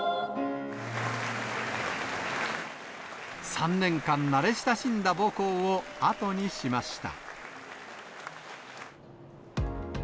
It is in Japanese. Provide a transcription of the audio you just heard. ３年間慣れ親しんだ母校を後にしました。